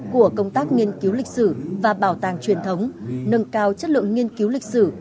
của công tác nghiên cứu lịch sử và bảo tàng truyền thống nâng cao chất lượng nghiên cứu lịch sử